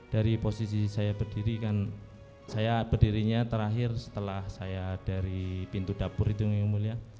dari posisi saya berdiri kan saya berdirinya terakhir setelah saya dari pintu dapur itu yang mulia